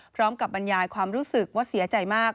บรรยายความรู้สึกว่าเสียใจมาก